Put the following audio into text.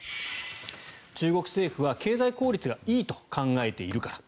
中国政府は経済効率がいいと考えているから。